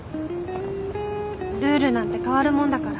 ルールなんて変わるもんだから。